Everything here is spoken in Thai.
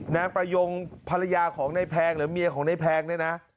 น้ำประโยงภรรยาของนายแพงหรือเมียของนายแพงด้วยน่ะ